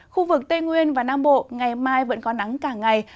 khu vực tây nguyên và nam bộ ngày mai vẫn có nắng cả ngày